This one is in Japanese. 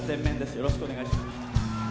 よろしくお願いします。